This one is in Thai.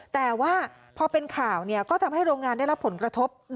แต่ว่าพอเป็นข่าวก็ทำให้โรงงานได้รับผลกระทบ